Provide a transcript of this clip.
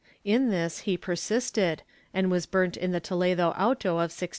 In this he persisted and was burnt in the Toledo auto of 1606.